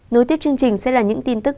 nối tiếp chương trình sẽ là những tin tức